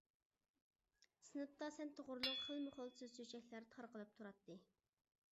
سىنىپتا سەن توغرۇلۇق خىلمۇخىل سۆز-چۆچەكلەر تارقىلىپ تۇراتتى.